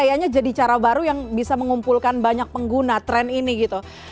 kayaknya jadi cara baru yang bisa mengumpulkan banyak pengguna tren ini gitu